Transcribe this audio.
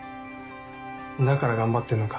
だから頑張ってんのか。